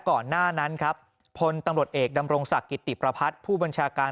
ก่อนหน้านั้นครับพลตำรวจเอกดำรงศักดิ์กิติประพัฒน์ผู้บัญชาการ